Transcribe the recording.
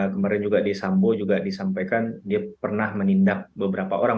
kemarin juga di sambo juga disampaikan dia pernah menindak beberapa orang